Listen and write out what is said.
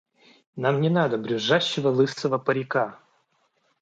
Нам не надо брюзжащего лысого парика!